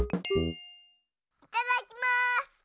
いただきます！